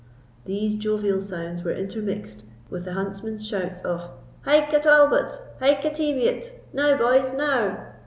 These jovial sounds were intermixed with the huntsmen's shouts of "Hyke a Talbot! Hyke a Teviot! now, boys, now!"